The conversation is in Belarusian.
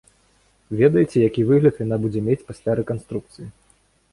Ведаеце, які выгляд яна будзе мець пасля рэканструкцыі?